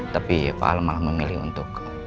tapi al malah memilih untuk